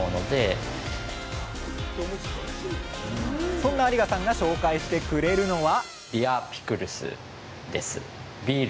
そんな有賀さんが紹介してくれるのは？